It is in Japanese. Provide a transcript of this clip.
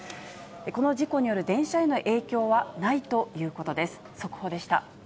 この事故による電車への影響はないということです。